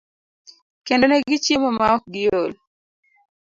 kendo ne gichiemo ma ok giol.